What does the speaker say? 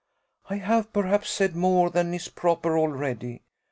I have, perhaps, said more than is proper already.